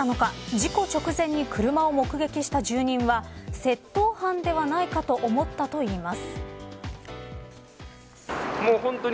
事故直前に車を目撃した住人は窃盗犯ではないかと思ったといいます。